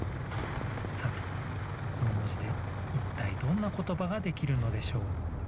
さてこのもじでいったいどんなことばができるのでしょう？